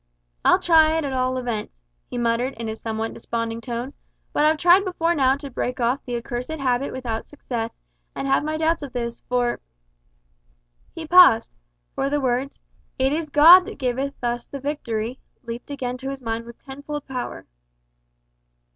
"I'll try it at all events," he muttered in a somewhat desponding tone; "but I've tried before now to break off the accursed habit without success, and have my doubts of this, for " He paused, for the words, "It is God that giveth us the victory," leaped again to his mind with tenfold power.